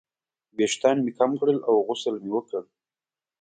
ویښتان مې کم کړل او غسل مې وکړ.